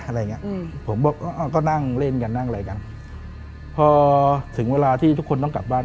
อะไรอย่างเงี้ยอืมผมบอกอ่าก็นั่งเล่นกันนั่งอะไรกันพอถึงเวลาที่ทุกคนต้องกลับบ้าน